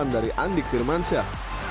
dan dari andik firmansyah